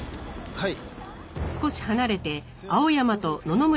はい。